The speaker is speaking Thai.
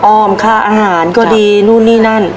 อ้อมค่าอาหารก็ดีนู่นนี่นั่น